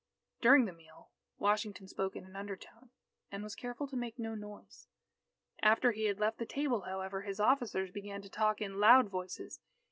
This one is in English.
During the meal, Washington spoke in an undertone, and was careful to make no noise. After he had left the table, however, his officers began to talk in loud voices.